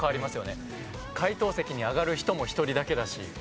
解答席に上がる人も１人だけだし。